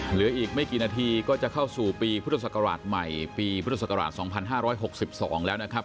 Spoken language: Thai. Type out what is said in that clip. เหลืออีกไม่กี่นาทีก็จะเข้าสู่ปีพุทธศักราชใหม่ปีพุทธศักราชสองพันห้าร้อยหกสิบสองแล้วนะครับ